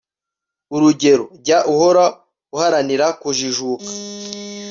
Urugero Jya uhora uharanira kujijuka